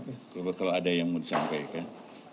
pak kalau telah ada yang mau dicampaikan